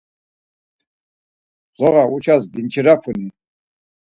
Zuğauças ginçirapuni?